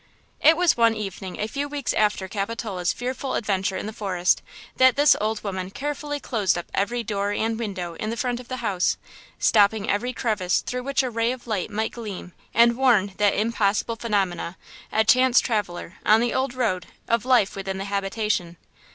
It was one evening, a few weeks after Capitola's fearful adventure in the forest, that this old woman carefully closed up every door and window in the front of the house, stopping every crevice through which a ray of light might gleam and warn that impossible phenomenon–a chance traveler, on the old road, of life within the habitation.